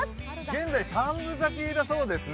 現在、三分咲きだそうです。